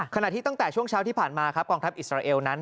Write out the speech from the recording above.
ขณะที่ตั้งแต่ช่วงเช้าที่ผ่านมาครับกองทัพอิสราเอลนั้น